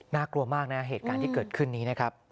กลัวมากนะเหตุการณ์ที่เกิดขึ้นนี้นะครับ